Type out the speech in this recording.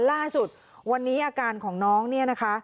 ล่าสุดวันนี้อาการของน้องเนี่ยนะคะ